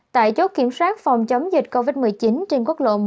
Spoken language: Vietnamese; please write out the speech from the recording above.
tại chốt kiểm soát phòng chống dịch covid một mươi chín trên quốc lộ một